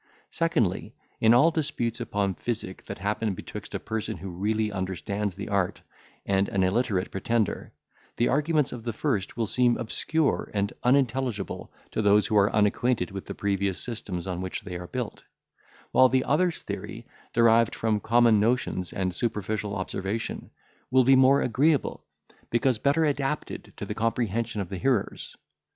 Secondly, in all disputes upon physic that happen betwixt a person who really understands the art, and an illiterate pretender, the arguments of the first will seem obscure and unintelligible to those who are unacquainted with the previous systems on which they are built; while the other's theory, derived from common notions, and superficial observation, will be more agreeable, because better adapted to the comprehension of the hearers.